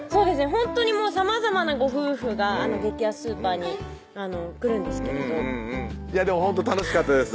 ほんとにさまざまなご夫婦があの激安スーパーに来るんですけれどでもほんと楽しかったです